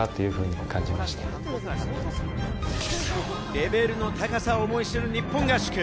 レベルの高さを思い知る日本合宿。